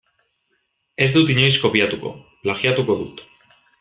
Ez dut inoiz kopiatuko, plagiatuko dut.